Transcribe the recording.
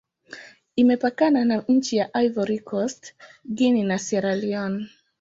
Imepakana na nchi za Ivory Coast, Guinea, na Sierra Leone.